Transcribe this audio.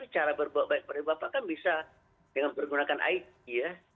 cara berbuat baik pada bapak kan bisa dengan menggunakan it ya